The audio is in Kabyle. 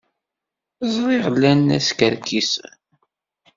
Ẓriɣ llan la skerkisen!